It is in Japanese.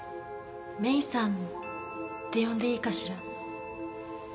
メイさんって呼んでいいかしら。